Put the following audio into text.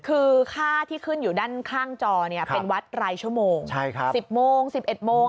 คือค่าที่ขึ้นอยู่ด้านข้างจอเนี่ยเป็นวัดรายชั่วโมงใช่ครับสิบโมง๑๑โมง